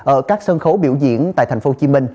ở các sân khấu biểu diễn tại tp hcm